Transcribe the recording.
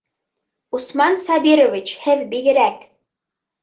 Усман Сабирович, һеҙ бигерәк!